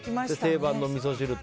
定番のみそ汁と。